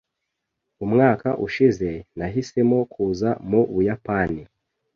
Umwaka ushize, nahisemo kuza mu Buyapani.